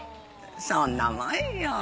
そんなもんよ